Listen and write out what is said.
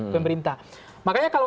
pemerintah makanya kalau